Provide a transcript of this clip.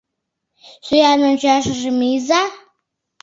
Сӱан ончашыже мийыза!